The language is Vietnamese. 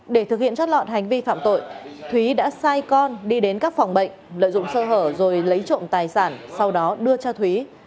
để thực hiện trót lọt hành vi phạm tội thúy đã sai con đi đến các phòng bệnh lợi dụng sơ hở rồi lấy trộm tài sản sau đó đưa cho thúy